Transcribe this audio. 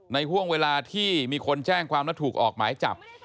ห่วงเวลาที่มีคนแจ้งความและถูกออกหมายจับ